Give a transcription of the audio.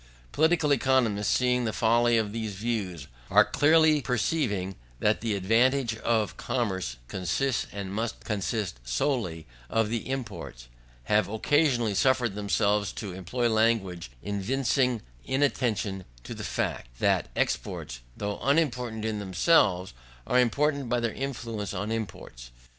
Political economists, seeing the folly of these views, and clearly perceiving that the advantage of commerce consists and must consist solely of the imports, have occasionally suffered themselves to employ language evincing inattention to the fact, that exports, though unimportant in themselves, are important by their influence on imports.